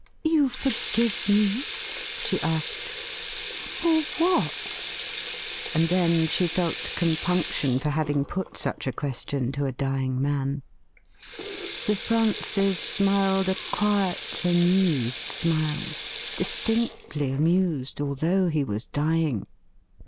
' You forgive me ?' she asked —' for what .!" And then she felt compunction for having put such a question to a dying man. THE RING RETURNED SIS Sir Francis smiied a quiet, amused smile — distinctly amused, although he was dying.